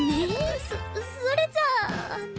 そそれじゃああの。